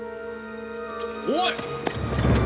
おい！